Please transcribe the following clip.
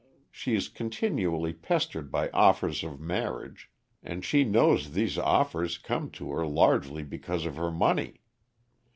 She is continually pestered by offers of marriage, and she knows these offers come to her largely because of her money.